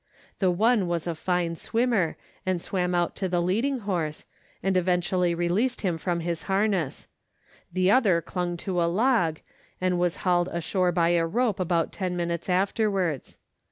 The one was a fine swimmer, and swam out to the leading horse, and eventually released him from his harness ; the other clung to a log, and was hauled ashore by a rope about ten minutes after wards.